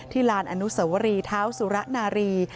ลานอนุสวรีเท้าสุระนารี